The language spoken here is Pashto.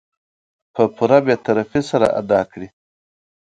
په پوره بې طرفي سره ادا کړي .